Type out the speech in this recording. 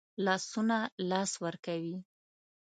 لاسونه لاس ورکوي